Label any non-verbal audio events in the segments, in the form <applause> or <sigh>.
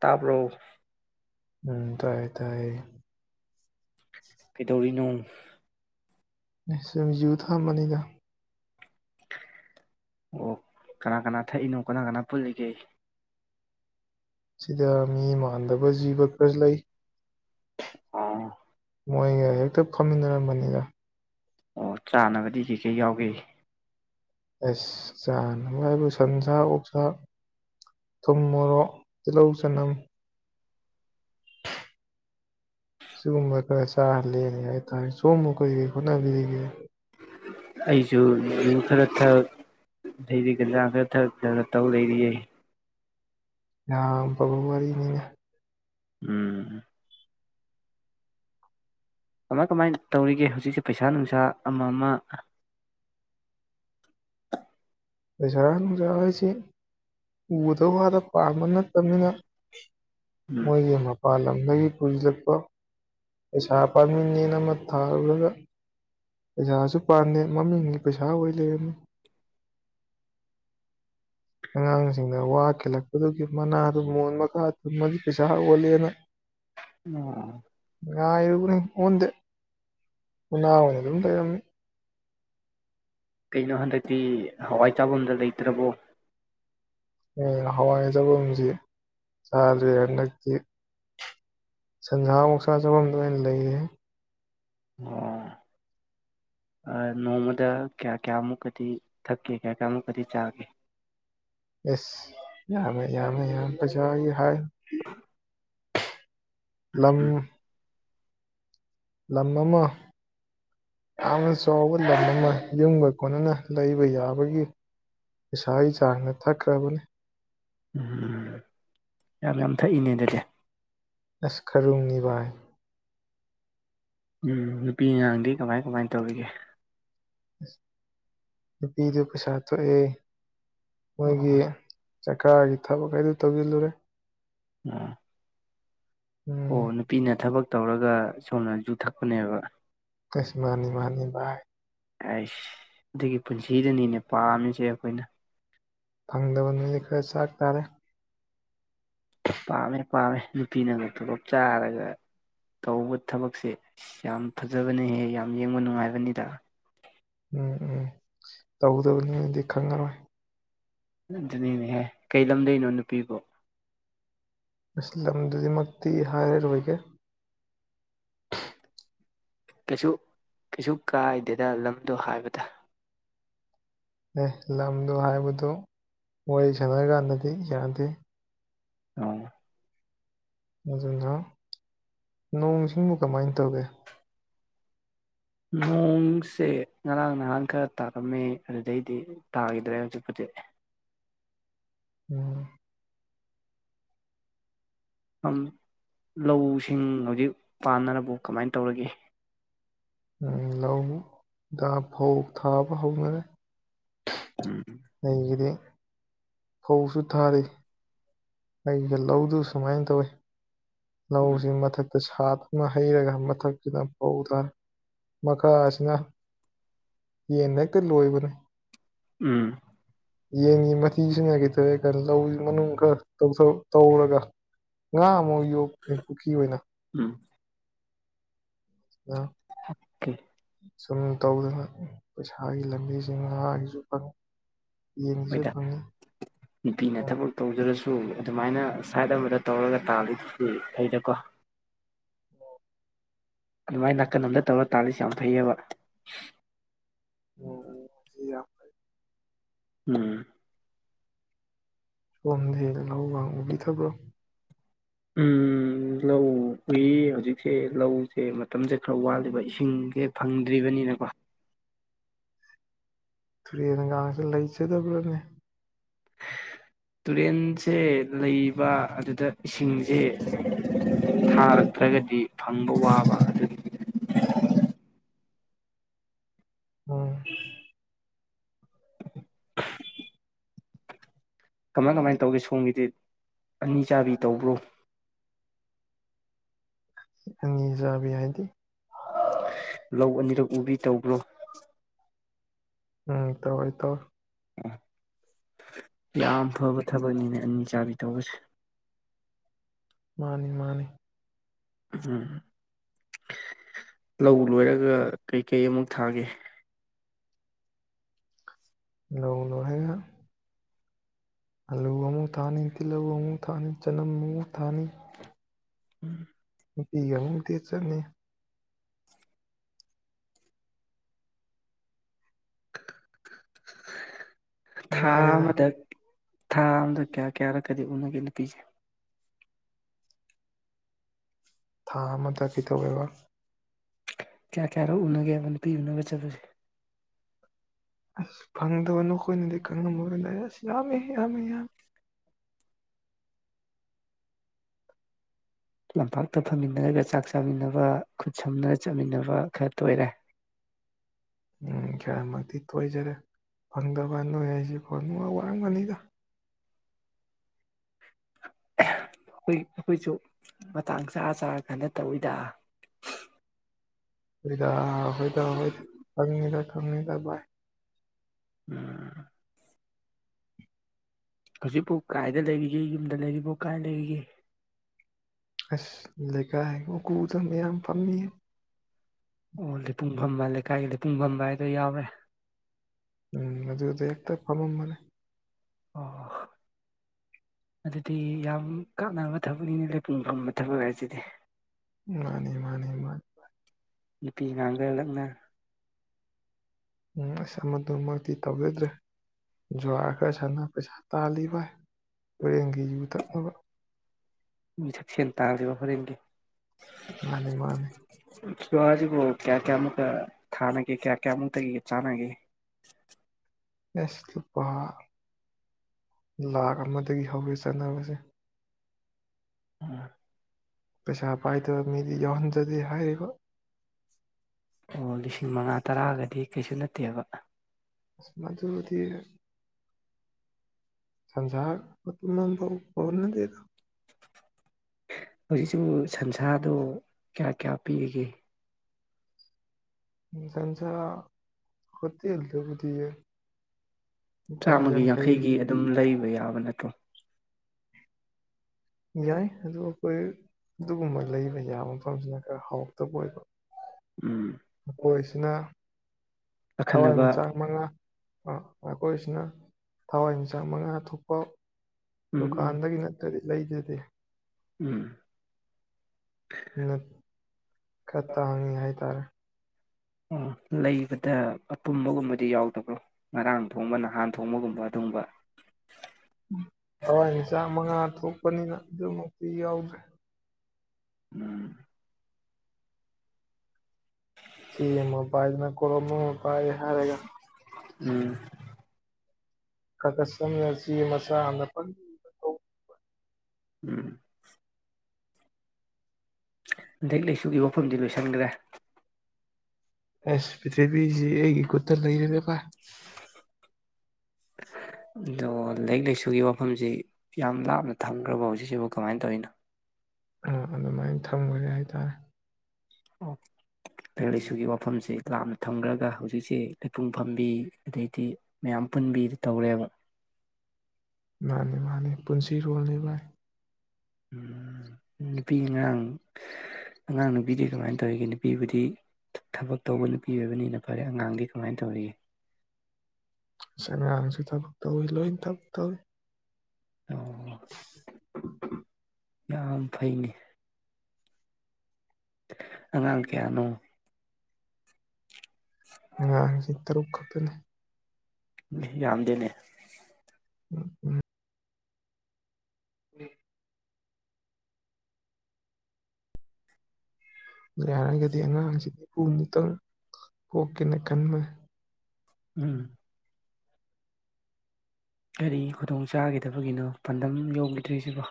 ꯇꯥꯕ꯭ꯔꯣ ꯎꯝ ꯇꯥꯏꯌꯦ ꯇꯥꯏꯌꯦ ꯀꯩꯗꯧꯔꯤꯅꯣ ꯑꯦ ꯁꯨꯝ ꯌꯨ ꯊꯑꯝꯕꯅꯤꯗ ꯑꯣ ꯀꯅꯥ ꯀꯅꯥ ꯊꯛꯏꯅꯣ ꯀꯅꯥ ꯀꯅꯥ ꯄꯨꯜꯂꯤꯒꯦ ꯁꯤꯗ ꯃꯤ ꯃꯥꯟꯗꯕ ꯖꯤꯕ ꯈꯔ ꯂꯩ ꯑꯣ ꯃꯣꯏꯒ ꯍꯦꯛꯇ ꯐꯝꯃꯤꯟꯅꯔꯝꯕꯅꯤꯅ ꯑꯣ ꯆꯥꯅꯕꯗꯤ ꯀꯩꯀꯩ ꯌꯥꯎꯒꯦ ꯑꯁ ꯆꯥꯅꯕ ꯍꯥꯏꯕꯨ ꯁꯟꯁꯥ ꯑꯣꯛꯁꯥ ꯊꯨꯝ ꯃꯣꯔꯣꯛ ꯇꯤꯜꯍꯧ ꯆꯅꯝ ꯁꯤꯒꯨꯝꯕ ꯈꯔ ꯆꯥꯔ ꯂꯦꯜꯂꯤ ꯍꯥꯏꯇꯥꯔꯦ ꯁꯣꯝꯕꯨ ꯀꯔꯤ ꯀꯔꯤ ꯍꯣꯠꯅꯕꯤꯔꯤꯒꯦ ꯑꯩꯁꯨ ꯌꯨ ꯈꯔ ꯊꯥꯛ ꯑꯗꯩꯗꯤ ꯒꯟꯖꯥ ꯈꯔ ꯊꯛ ꯇꯧ ꯂꯩꯔꯤ ꯑꯩ ꯌꯥꯝ ꯐꯕꯕꯩ ꯋꯥꯔꯤꯔꯤꯅ‌ꯦ ꯎꯝ ꯀꯃꯥꯏ ꯀꯃꯥꯏꯅ ꯇꯧꯔꯤꯒꯦ ꯍꯧꯖꯤꯛꯁꯦ ꯄꯩꯁꯥ ꯅꯨꯡꯁꯥ ꯑꯃ ꯑꯃ ꯄꯖꯥꯔꯥ ꯅꯨꯡꯁꯥ ꯍꯥꯏꯁꯤ ꯎꯗ ꯋꯥꯗ ꯄꯥꯝꯕ ꯅꯠꯇꯕꯅꯤꯅ ꯎꯝ ꯃꯣꯏꯒꯤ ꯃꯄꯥꯟꯜ ꯂꯝꯗꯒꯤ ꯄꯨꯁꯤꯜꯂꯛꯄ ꯄꯩꯁꯥ ꯄꯥꯝꯕꯤꯅꯦꯅ ꯑꯃ ꯊꯥꯔꯨꯔꯒ ꯄꯩꯁꯥꯁꯨ ꯄꯥꯟꯗꯦ ꯃꯃꯤꯡꯗꯤ ꯄꯩꯁꯥ ꯑꯣꯏ ꯂꯩꯔꯝꯃꯤ ꯑꯉꯥꯡꯁꯤꯡꯗ ꯋꯥꯈꯤꯂꯛꯄꯗꯨꯒꯤ ꯃꯅꯥꯗꯨ ꯃꯨꯣꯟ ꯃꯈꯥ ꯊꯨꯝꯃꯒꯤ ꯄꯩꯁꯥ ꯑꯣꯜꯂꯦꯅ ꯎꯝ ꯉꯥꯏꯔꯨꯕꯅꯤ ꯑꯣꯟꯗꯦ ꯎꯅꯥ ꯑꯣꯏꯅ ꯑꯗꯨꯝ ꯂꯩꯔꯝꯃꯤ ꯀꯩꯅꯣ ꯍꯟꯗꯛꯇꯤ ꯍꯋꯥꯏ ꯆꯥꯐꯝꯗ ꯂꯩꯇ꯭ꯔꯕꯣ ꯍꯋꯥꯏꯖꯥꯐꯝꯁꯤ ꯆꯥꯗ꯭ꯔꯦ ꯍꯟꯗꯛꯇꯤ ꯁꯟꯖꯥ ꯑ‌ꯣꯛꯁꯥ ꯆꯖꯐꯝꯗ ꯑꯣꯏꯅ ꯂꯩꯔ‌ꯦ ꯑꯣ ꯑꯥ ꯅꯣꯡꯃꯗ ꯀꯌꯥ ꯀꯌꯥꯃꯨꯛꯀꯗꯤ ꯊꯛꯀꯦ ꯀꯌꯥ ꯀꯌꯥꯃꯨꯛꯀꯗꯤ ꯆꯥꯒꯦ ꯑ‌ꯦꯁ ꯌꯥꯃꯦ ꯌꯥꯃꯦ ꯌꯥꯝ ꯄꯩꯁꯒꯤ ꯍꯥꯏ <unintelligible> ꯂꯝ ꯎꯝ ꯂꯝ ꯑꯃ ꯌꯥꯝꯅ ꯆꯥꯎꯕ ꯂꯝ ꯑꯃ ꯌꯨꯝꯒ ꯀꯣꯟꯅꯅ ꯂꯩꯕ ꯌꯥꯕꯒꯤ ꯄꯩꯁꯥꯒꯤ ꯆꯥꯡꯅ ꯊꯛꯈ꯭ꯔꯕꯅꯤ ꯎꯝꯝ ꯌꯥꯝ ꯌꯥꯝ ꯊꯛꯏꯅꯦ ꯑꯗꯨꯗꯤ ꯑꯁ ꯈꯔꯨꯝꯉꯤ ꯕꯥꯏ ꯎꯝ ꯅꯨꯄꯤ ꯑꯉꯥꯡꯗꯤ ꯀꯃꯥꯏ ꯀꯃꯥꯏꯅ ꯇꯧꯔꯤꯒꯦ <unintelligible> ꯅꯨꯄꯤꯗꯨ ꯄꯩꯁꯥ ꯊꯣꯛꯑꯦ ꯑꯣ ꯃꯣꯏꯒꯤ ꯁꯔꯀꯥꯔꯒꯤ ꯊꯕꯛ ꯍꯥꯏꯗꯨ ꯇꯧꯁꯤꯜꯂꯨꯔꯦ ꯎꯝ ꯑꯣ ꯎꯝ ꯅꯨꯄꯤꯅ ꯊꯕꯛ ꯇꯧꯔꯒ ꯁꯣꯝꯅ ꯌꯨ ꯊꯛꯄꯅꯦꯕ ꯑꯁ ꯃꯅꯤ ꯃꯥꯅꯤ ꯕ ꯥꯏ ꯑꯩꯁ ꯑꯗꯨꯒꯤ ꯄꯨꯟꯁꯤꯗꯅꯤꯅꯦ ꯄꯥꯝꯃꯤꯁꯦ ꯑꯩꯈꯣꯏꯅ ꯐꯪꯗꯕ ꯅ‌ꯣꯏꯗꯤ ꯈꯔ ꯆꯥꯛ ꯇꯥꯔꯦ ꯄꯥꯝꯃꯦ ꯄꯥꯝꯃꯦ ꯅꯨꯄꯤꯅꯒ ꯇ‌ꯣꯂꯣꯞ ꯆꯥꯔꯒ ꯇꯧꯕ ꯊꯕꯛꯁꯦ ꯌꯥꯝ ꯐꯖꯕꯅꯤꯍꯦ ꯌꯥꯝ ꯌꯦꯡꯕ ꯅꯨꯡꯉꯥꯏꯕꯅꯤꯗ ꯎꯝ ꯎꯝ ꯇꯧꯗꯕꯅꯤꯅꯗꯤ ꯈꯪꯉꯔꯣꯏ ꯑꯗꯨꯅꯤꯅꯦꯍꯦ ꯀꯩ ꯂꯝꯗꯣꯏꯅꯣ ꯅꯨꯄꯤꯕ‌ꯣ ꯑꯁ ꯂꯝꯗꯨꯗꯤꯃꯛꯇꯤ ꯍꯥꯏꯔꯔꯣꯏꯒꯦ ꯀꯩꯁꯨ ꯀꯩꯁꯨ ꯀꯥꯏꯗꯦꯗ ꯂꯝꯗꯣ ꯍꯥꯏꯕꯗ ꯑꯦ ꯂꯝꯗꯣ ꯍꯥꯏꯕꯗꯨ ꯋꯥꯔꯤ ꯁꯥꯟꯅꯔꯀꯥꯟꯗꯗꯤ ꯌꯥꯗꯦ ꯎꯝ ꯑꯗꯨꯅ ꯅꯣꯡꯁꯤꯡꯕꯨ ꯀꯃꯥꯏꯅ ꯇꯧꯒꯦ ꯅꯣꯡꯁꯦ ꯉꯔꯥꯡ ꯅꯍꯥꯟ ꯈꯔ ꯇꯥꯔꯝꯃꯤ ꯑꯗꯨꯗꯩꯗꯤ ꯇꯥꯈꯤꯗ꯭ꯔꯦ ꯍꯧꯖꯤꯛꯄꯨꯗꯤ ꯎꯝ ꯎꯝ ꯂꯧ ꯁꯤꯡ ꯍꯧꯖꯤꯛ ꯄꯥꯟꯅꯔꯕꯣ ꯀꯃꯥꯏ ꯇꯧꯔꯒꯦ ꯂꯧꯗ ꯐꯧ ꯊꯥꯕ ꯍꯧꯅꯔꯦ ꯎꯝ ꯑꯩꯒꯤꯗꯤ ꯐꯧꯁꯨ ꯊꯥꯔꯤ ꯑꯩꯒꯤꯗꯤ ꯂꯧꯗꯨ ꯁꯨꯃꯥꯏꯅ ꯇꯧꯋꯤ ꯎꯝ ꯂꯧꯁꯤ ꯃꯊꯛ ꯁꯥꯗꯨꯅ ꯍꯩꯔꯒ ꯃꯊꯛꯇꯨꯅ ꯐꯧꯗ ꯊꯥꯔꯦ ꯃꯈꯥ ꯑꯁꯤꯅ ꯌꯦꯟ ꯍꯦꯛꯇ ꯂꯣꯏꯕꯅꯦ ꯎꯝ ꯌꯦꯟꯒꯤ ꯃꯊꯤꯁꯤꯅ <unintelligible> ꯂꯧꯁꯤ ꯃꯅꯨꯡ ꯈꯔ ꯇꯧꯊꯣꯛ ꯇꯧꯔꯒ ꯉꯥ ꯑꯃꯨꯛ ꯌꯣꯛꯑꯦ ꯄꯨꯈ꯭ꯔꯤ ꯑꯣꯏꯅ ꯎꯝ ꯑꯥ ꯀꯦ ꯁꯨꯝ ꯇꯧꯗꯅ ꯄꯩꯁꯥꯒꯤ ꯂꯝꯕꯤꯁꯤꯡ ꯉꯥꯒꯤꯖꯨ ꯐꯪꯉꯤ ꯌꯦꯟꯒꯤ ꯁꯨ ꯍꯣꯏꯗ ꯐꯪꯉꯤ <inaudible> ꯅꯨꯄꯤꯅ ꯊꯕꯛ ꯇꯧꯖꯔꯁꯨ ꯑꯗꯨꯃꯥꯏꯅ ꯁꯥꯏꯠ ꯑꯃꯗ ꯇꯧꯔꯒ ꯇꯥꯜꯂꯤꯗꯨꯗꯤ ꯐꯩꯗꯀꯣ ꯑꯗꯨꯃꯥꯏꯅ ꯅꯥꯀꯟ ꯑꯝꯗ ꯇꯧꯔ ꯇꯥꯜꯂꯤꯁꯦ ꯌꯥꯝ ꯐꯩꯌꯦꯕ ꯎꯝ ꯎꯝ <unintelligible> ꯎꯝ ꯁꯣꯝꯗꯤ ꯂꯧꯒ ꯎꯕꯤꯗꯕ꯭ꯔꯣ ꯎꯝ ꯂꯧ ꯎꯏ ꯍꯧꯖꯤꯛꯁꯦ ꯂꯧꯖꯦ ꯃꯇꯝꯁꯦ ꯈꯔ ꯋꯥꯠꯂꯤꯕ ꯏꯁꯤꯡꯖꯦ ꯐꯪꯗ꯭ꯔꯤꯕꯅꯤꯅꯀꯣ ꯇꯨꯔꯦꯟꯒꯖꯦ ꯂꯩꯖꯗꯕ꯭ꯔꯥꯅꯦ ꯇꯨꯔꯦꯟꯁꯦ ꯂꯩꯕ ꯑꯗꯨꯗ ꯏꯁꯤꯡꯖꯦ ꯊꯥꯔꯛꯇ꯭ꯔꯒꯗꯤ ꯐꯪꯕ ꯋꯥꯕ ꯑꯗꯨꯒꯤ <inaudible> ꯎꯝ <inaudible> ꯀꯃꯥꯏ ꯀꯃꯥꯏꯅ ꯇꯧꯒꯦ ꯁꯣꯝꯒꯤꯗꯤ ꯑꯅꯤ ꯆꯥꯕꯤ ꯇꯧꯕ꯭ꯔꯣ ꯑꯅꯤ ꯆꯥꯕꯤ ꯍꯥꯏꯗꯤ ꯂꯧ ꯑꯅꯤꯔꯛ ꯎꯕꯤ ꯇꯧꯕ꯭ꯔꯣ ꯎꯝ ꯇꯧꯋꯦ ꯇꯧꯋꯦ ꯑꯣ ꯌꯥꯝ ꯐꯕ ꯊꯕꯛꯅꯤꯅꯦ ꯑꯅꯤ ꯆꯥꯕꯤ ꯇꯧꯕꯁꯦ ꯃꯥꯅꯤ ꯃꯥꯅꯤ ꯎꯝ ꯂꯧ ꯂꯣꯏꯔꯒ ꯀꯩꯀꯩ ꯑꯃꯨꯛ ꯊꯥꯒꯦ ꯂꯧ ꯂꯣꯏꯔꯒ ꯑꯜꯂꯨ ꯑꯃꯨꯛ ꯊꯥꯅꯤ ꯇꯤꯜꯍꯧ ꯑꯃꯨꯛ ꯊꯥꯅꯤ ꯆꯅꯝ ꯑꯃꯨꯛ ꯊꯥꯅꯤ ꯎꯝ ꯅꯨꯄꯤꯒ ꯑꯃꯨꯛ ꯗꯦꯠ ꯆꯠꯅꯤ ꯊꯥ ꯅꯨꯡꯉꯥꯏꯔꯦꯗ ꯑꯃꯗ ꯊꯥ ꯑꯃꯗ ꯀꯌꯥ ꯀꯌꯥꯔꯛꯀꯗꯤ ꯎꯅꯒꯦ ꯅꯨꯄꯤꯖꯦ ꯊꯥ ꯑꯃꯗ ꯀꯩꯗꯧꯋꯦꯕ ꯀ꯭ꯌꯥ ꯀ꯭ꯌꯥꯔꯛ ꯎꯅꯒꯦꯕ ꯅꯨꯄꯤ ꯎꯅꯕ ꯆꯠꯄꯁꯦ ꯑꯁ ꯐꯪꯗꯕ ꯅꯈꯣꯏꯅꯗꯤ ꯈꯪꯂꯝꯃꯔꯣꯏꯍꯦ ꯑꯁ ꯌꯥꯝꯃꯦ ꯌꯥꯝꯃꯦ ꯌꯥꯝ ꯂꯝꯄꯥꯛꯇ ꯐꯝꯃꯤꯟꯅꯔꯒ ꯆꯥꯛ ꯆꯥꯃꯤꯟꯅꯕ ꯈꯨꯠ ꯁꯝꯅꯔ ꯆꯠꯃꯤꯟꯅꯕ ꯈꯔ ꯇꯣꯏꯔꯦ ꯈꯔꯃꯛꯇꯤ ꯇꯣꯏꯖꯔꯦ ꯐꯪꯗꯕ ꯅꯣꯏ ꯒꯩꯖꯦ ꯐꯣꯟ ꯅꯨꯡ ꯋꯥꯔꯝꯒꯅꯤꯗ ꯑꯩꯈꯣꯏ ꯑꯩꯈꯣꯏꯁꯨ ꯃꯇꯥꯡ ꯆꯥ ꯆꯥꯔ ꯀꯥꯟꯗ ꯇꯧꯋꯤꯗ ꯍꯣꯏꯗ ꯍꯣꯏꯗ ꯍꯣꯏ ꯈꯪꯉꯤꯗ ꯈꯪꯉꯤꯗ ꯚꯥꯏ <unintelligible> ꯍꯧꯖꯤꯛꯄꯨ ꯀꯥꯏꯗ ꯂꯩꯔꯤꯒꯦ ꯌꯨꯝꯗ ꯂꯩꯔꯤꯕꯣ ꯀꯥꯏ ꯂꯩꯔꯤꯒꯦ ꯑꯁ ꯂꯩꯀꯥꯏ ꯎꯀꯨꯗ ꯃꯌꯥꯝ ꯐꯝꯃꯤꯌꯦ ꯑꯣ ꯂꯤꯄꯨꯡ ꯐꯝꯕ ꯂꯩꯀꯥꯏꯒꯤ ꯂꯤꯄꯨꯡ ꯐꯝꯕ ꯍꯥꯏꯗꯣ ꯌꯥꯎꯔꯦ ꯎꯝ ꯑꯗꯨꯗ ꯍꯦꯛꯇ ꯐꯃꯝꯕꯅꯤ ꯑꯣ ꯑꯗꯨꯗꯤ ꯌꯥꯝ ꯀꯥꯟꯅꯕ ꯊꯕꯛꯅꯤꯅꯦ ꯂꯩꯄꯨꯡ ꯐꯝꯕ ꯊꯕꯛ ꯍꯥꯏꯁꯤꯗꯤ ꯃꯥꯟꯅꯤ ꯃꯥꯟꯅꯤ ꯃꯥꯟꯅꯤ ꯅꯨꯄꯤ ꯑꯉꯥꯡ ꯈꯔ ꯂꯛꯅ ꯎꯝ ꯑꯁ ꯃꯗꯨꯃꯛꯇꯤ ꯇꯧꯖꯗ꯭ꯔꯦ ꯖꯨꯋꯥꯔ ꯈꯔ ꯁꯥꯟꯅ ꯄꯩꯁꯥ ꯇꯥꯜꯂꯤ ꯚꯥꯏ ꯍꯣꯔꯦꯟꯒꯤ ꯌꯨ ꯊꯛꯅꯕ ꯌꯨꯊꯛ ꯁꯦꯟ ꯇꯥꯟꯂꯤꯕ ꯍꯣꯔꯦꯟꯒꯤ ꯃꯥꯟꯅꯦ ꯃꯥꯟꯅꯦ ꯖꯨꯋꯥꯔꯖꯤꯕꯨ ꯀꯌꯥ ꯀꯌꯥ ꯃꯨꯛꯇ ꯊꯥꯅꯒꯦ ꯀꯌꯥ ꯀꯌꯥ ꯃꯨꯛꯇꯒꯤ ꯆꯥꯅꯒꯦ ꯑꯁ ꯂꯨꯄꯥ ꯂꯥꯛꯈ ꯑꯃꯗꯒꯤ ꯍꯧꯋꯦ ꯆꯥꯅꯕꯁꯦ ꯎꯝ ꯄꯩꯁꯥ ꯄꯥꯏꯗꯕ ꯃꯤꯗꯤ ꯌꯥꯎꯍꯟꯖꯗꯦ ꯍꯥꯏꯔꯤꯕ ꯑꯣ ꯂꯤꯁꯤꯡ ꯃꯉꯥ ꯇꯔꯥꯒꯗꯤ ꯀꯩꯁꯨ ꯅꯠꯇꯦꯕ ꯑꯁ ꯃꯗꯨꯗꯤ ꯁꯟꯁꯥ ꯃꯇꯨꯝ ꯑꯃꯐꯥꯎ ꯀꯣꯟꯅꯗꯦꯗ ꯍꯧꯖꯤꯛꯁꯨ ꯁꯟꯁꯥꯗꯣ ꯀꯌꯥ ꯀꯌꯥ ꯄꯤꯔꯤꯒꯦ ꯁꯟꯁꯥ ꯍꯣꯇꯦꯜꯗꯕꯨꯗꯤ ꯂꯨꯄꯥ ꯆꯥꯝꯃꯒꯤ ꯌꯥꯡꯈꯩ ꯌꯥꯡꯈꯩꯒꯤ ꯑꯗꯨꯝ ꯂꯩꯕ ꯌꯥꯕ ꯅꯠꯇ꯭ꯔꯣ ꯌꯥꯏ ꯑꯗꯨ ꯑꯩꯈꯣꯏ ꯑꯗꯨꯒꯨꯝꯕ ꯂꯩꯕ ꯌꯥꯕ ꯃꯐꯝꯁꯤꯅ ꯈꯔ ꯍꯥꯎꯇꯕ ꯑꯣꯏꯕ ꯎꯝ ꯑꯩꯈꯣꯏꯁꯤꯅ ꯑꯈꯟꯅꯕ ꯊꯋꯥꯏꯃꯤꯆꯥꯛ ꯃꯉꯥ ꯃꯈꯣꯏꯁꯤꯅ ꯊꯋꯥꯏꯃꯤꯆꯥꯛ ꯃꯉꯥ ꯊꯣꯛꯄ ꯎꯝ ꯗꯨꯀꯥꯟꯗꯒꯤ ꯅꯠꯇꯗꯤ ꯂꯩꯖꯗꯦ ꯎꯝ ꯅꯠ ꯈꯔ ꯇꯥꯡꯉꯤ ꯍꯥꯏꯇꯥꯔꯦ ꯎꯝ ꯂꯩꯕꯗ ꯑꯄꯨꯝꯕꯒꯨꯝꯕꯗꯤ ꯌꯥꯎꯗꯕ꯭ꯔꯣ ꯉꯔꯥꯡ ꯊꯣꯡꯕ ꯅꯍꯥꯟ ꯊꯣꯡꯕꯒꯨꯝꯕ ꯑꯗꯨꯒꯨꯝꯕ ꯊꯋꯥꯏꯃꯤꯆꯥꯛ ꯃꯉꯥ ꯊꯣꯛꯄꯅꯤꯅ ꯑꯗꯨꯃꯛꯇꯤ ꯌꯥꯎꯗ꯭ꯔꯦ ꯎꯝ ꯆꯦ ꯑꯃ ꯄꯥꯏꯗꯅ ꯀꯣꯂꯣꯝ ꯑꯃ ꯄꯥꯏ ꯍꯥꯏꯔꯒ ꯎꯝ ꯈꯔꯒ ꯈꯔꯒ <unintelligible> ꯃꯆꯥ ꯑꯝꯗ <inaudible> ꯎꯝ ꯂꯥꯏꯔꯤꯛ ꯂꯥꯏꯁꯨꯒꯤ ꯋꯥꯐꯝꯗꯤ ꯂꯣꯏꯁꯟꯒ꯭ꯔꯦ ꯑꯁ ꯄ꯭ꯔꯤꯊꯤꯕꯤꯁꯤ ꯑꯩꯒꯤ ꯈꯨꯠꯇ ꯂꯩꯔꯦꯅꯦ ꯚꯥꯏ ꯑꯗꯣ ꯂꯥꯏꯔꯤꯛ ꯂꯥꯏꯁꯨꯒꯤ ꯋꯥꯐꯝꯖꯤ ꯌꯥꯝ ꯂꯥꯞꯅ ꯊꯝꯈ꯭ꯔꯕꯣ ꯍꯧꯖꯤꯛꯁꯤꯕꯨ ꯀꯃꯥꯏꯅ ꯇꯧꯔꯤꯅꯣ ꯎꯝ ꯑꯗꯨꯃꯥꯏ ꯊꯝꯒ꯭ꯔꯦ ꯍꯥꯏꯇꯥꯔꯦ ꯑꯣ ꯂꯥꯏꯔꯤꯛ ꯂꯥꯏꯁꯨꯒꯤ ꯋꯥ ꯐꯝꯁꯦ ꯂꯥꯞꯅ ꯊꯝꯈ꯭ꯔꯒ ꯍꯧꯖꯤꯛꯁꯦ ꯂꯩꯄꯨꯡ ꯐꯝꯕꯤ ꯑꯗꯩꯗꯤ ꯃꯌꯥꯝ ꯄꯨꯟꯕꯤꯗꯤ ꯇꯧꯔꯦꯕ ꯃꯥꯅꯦ ꯃꯥꯅꯦ ꯄꯨꯟꯁꯤꯔꯣꯜꯂꯤ ꯚꯥꯏ ꯎꯝ ꯅꯨꯄꯤ ꯑꯉꯥꯡ ꯑꯉꯥꯡ ꯅꯨꯄꯤꯗꯤ ꯀꯃꯥꯏꯅ ꯇꯧꯔꯤꯒꯦ ꯅꯨꯄꯤꯕꯨꯗꯤ ꯊꯕꯛ ꯇꯧꯕ ꯅꯨꯄꯤ ꯑꯣꯏꯕꯅꯤꯅ ꯐꯔꯦ ꯑꯉꯥꯡꯗꯤ ꯀꯃꯥꯏꯅ ꯇꯧꯔꯤꯒꯦ ꯑꯁ ꯑꯉꯥꯡꯁꯨ ꯊꯕꯛ ꯇꯧꯋꯤ ꯂꯣꯏꯅ ꯊꯕꯛ ꯇꯧꯋꯤ ꯑꯣ <inaudible> ꯌꯥꯝ ꯐꯩꯅꯦ ꯑꯉꯥꯡ ꯀꯌꯥꯅꯣ ꯑꯉꯥꯡꯁꯤ ꯇꯔꯨꯛ ꯈꯛꯇꯅꯦ ꯌꯥꯝꯗꯦꯅꯦ ꯎꯝ ꯎꯝ ꯎꯝ ꯌꯥꯔꯒꯗꯤ ꯑꯉꯥꯡꯁꯤ ꯍꯨꯝꯐꯨꯃꯨꯛꯇꯪ ꯄꯣꯛꯀꯦꯅ ꯈꯟꯕꯅꯦ ꯎꯝ ꯀꯔꯤ ꯈꯨꯗꯣꯡ ꯆꯥꯒꯤꯗꯕꯒꯤꯅꯣ ꯄꯥꯟꯗꯝ ꯌꯧꯒꯤꯗ꯭ꯔꯤꯁꯤꯕꯣ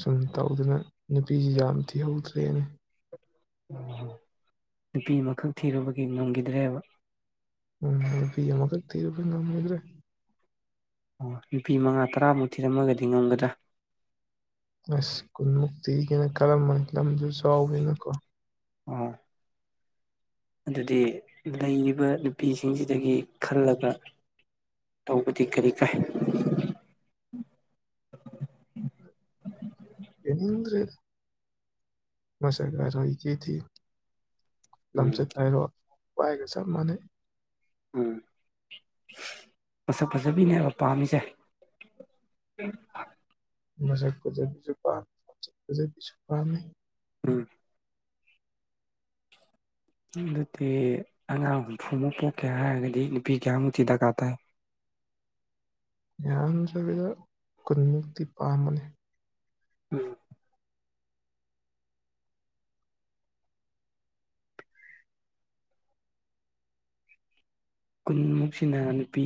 ꯁꯨꯝ ꯇꯧꯗꯅ ꯅꯨꯄꯤꯁꯤ ꯌꯥꯝ ꯊꯤꯍꯧꯗ꯭ꯔꯦꯅ ꯑꯣ ꯅꯨꯄꯤ ꯑꯃꯈꯛ ꯊꯤꯔꯨꯕꯒꯤ ꯉꯝꯈꯤꯗ꯭ꯔꯦꯕ ꯎꯝ ꯅꯨꯄꯤ ꯑꯃꯈꯛ ꯊꯤꯔꯨꯕ ꯉꯝꯒꯤꯗ꯭ꯔꯦ ꯑꯣ ꯅꯨꯄꯤ ꯃꯉꯥ ꯇꯔꯥꯃꯨꯛ ꯊꯤꯔꯝꯃꯒꯗꯤ ꯉꯝꯒꯗ꯭ꯔꯥ ꯑꯁ ꯀꯨꯟꯃꯨꯛ ꯊꯤꯒꯦꯅ ꯈꯜꯂꯝꯕꯅꯤ ꯂꯝꯁꯨ ꯆꯥꯎꯕꯅꯤꯅꯀꯣ ꯑꯣ ꯑꯗꯨꯗꯤ ꯂꯩꯔꯤꯕ ꯅꯨꯄꯤꯁꯤꯡꯁꯤꯗꯒꯤ ꯈꯜꯂꯒ ꯇꯧꯕꯗꯤ ꯀꯔꯤ ꯀꯥꯏ ꯍꯦꯟꯅꯤꯡꯗꯔ꯭ꯦꯗꯥ ꯃꯁꯛ ꯍꯥꯏꯔꯣ ꯏꯊꯤ ꯊꯤ ꯎꯝ ꯂꯝꯆꯠ ꯍꯥꯢꯔꯣ ꯚꯥꯢꯒ ꯆꯞ ꯃꯥꯟꯅꯩ ꯎꯝ ꯃꯁꯛ ꯐꯖꯕꯤꯅꯦꯕ ꯄꯥꯝꯃꯤꯁꯦ ꯎ <inaudible> ꯃꯁꯛ ꯐꯖꯕꯤꯁꯨ ꯄꯥꯝꯃꯤ ꯃꯁꯛ ꯐꯖꯕꯤꯁꯨ ꯄꯥꯃꯦ ꯎꯝ ꯑꯗꯨꯗꯤ ꯑꯉꯥꯡ ꯍꯨꯝꯐꯨꯃꯨꯛ ꯄꯣꯛꯀꯦ ꯍꯥꯏꯔꯒꯗꯤ ꯅꯨꯄꯤ ꯀꯌꯥꯃꯨꯛꯇꯤ ꯗꯔꯀꯥꯔ ꯇꯥꯏ ꯌꯥꯝꯗꯔꯥꯕꯤꯗ ꯀꯨꯟꯃꯨꯛꯇꯤ ꯄꯥꯝꯕꯅꯤ ꯎꯝ ꯀꯨꯟꯃꯨꯛꯁꯤꯅ ꯅꯨꯄꯤ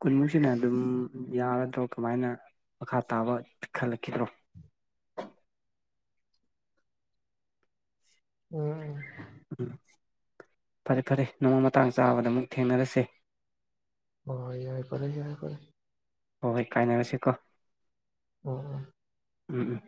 ꯀꯨꯟꯃꯨꯛꯁꯤꯅ ꯑꯗꯨꯝ ꯌꯥꯒꯗꯔꯣ ꯀꯃꯥꯏꯅ ꯃꯈꯥ ꯇꯥꯕ ꯈꯜꯂꯛꯈꯤꯗ꯭ꯔꯣ ꯑ <inaudible> ꯎꯝ ꯎꯝ ꯐꯔꯦ ꯐꯔꯦ ꯅꯣꯡꯃ ꯃꯇꯥꯡ ꯆꯥꯕꯗ ꯑꯃꯨꯛ ꯊꯦꯡꯅꯔꯁꯦ ꯍꯣꯏ ꯍꯣꯏ ꯌꯥꯏ ꯐꯔꯦ ꯌꯥꯏ ꯐꯔꯦ ꯍꯣꯏ ꯍꯣꯏ ꯀꯥꯏꯅꯔꯁꯤꯀꯣ ꯑꯣ ꯎꯝ ꯎꯝ